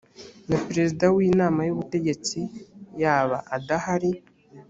na perezida w inama y ubutegetsi yaba adahari